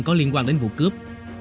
có liên quan đến vụ cướp